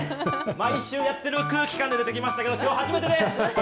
毎週やってる空気感で出てきましたけど、きょう初めてです。